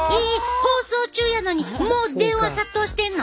放送中やのにもう電話殺到してんの？